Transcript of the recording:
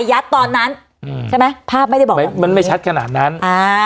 ยัดตอนนั้นอืมใช่ไหมภาพไม่ได้บอกมันไม่ชัดขนาดนั้นอ่า